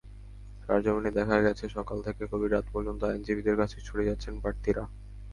সরেজমিনে দেখা গেছে, সকাল থেকে গভীর রাত পর্যন্ত আইনজীবীদের কাছে ছুটে যাচ্ছেন প্রার্থীরা।